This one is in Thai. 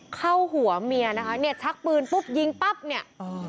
เข้าหัวเมียนะคะเนี่ยชักปืนปุ๊บยิงปั๊บเนี่ยเออ